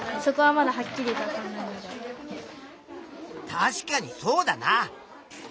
確かにそうだな！